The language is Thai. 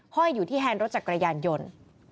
ห้อยอยู่ที่แฮนดรถจักรยานยนต์